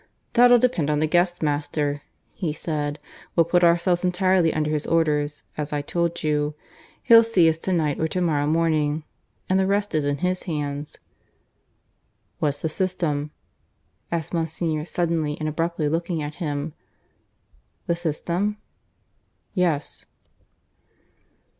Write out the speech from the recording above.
"That'll depend on the guest master," he said, "We put ourselves entirely under his orders, as I told you. He'll see us to night or to morrow morning; and the rest is in his hands." "What's the system?" asked Monsignor suddenly and abruptly looking at him. "The system?" "Yes."